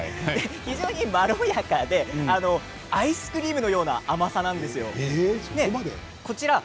非常にまろやかでアイスクリームのような甘さなんですよ。